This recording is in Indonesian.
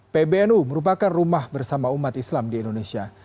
pbnu merupakan rumah bersama umat islam di indonesia